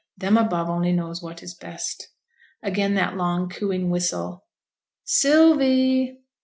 Them above only knows what is best.' Again that long, cooing whistle. 'Sylvie!'